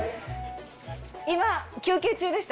今、休憩中でした？